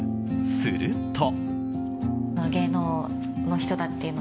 すると。